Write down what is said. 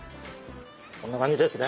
こんな感じですね。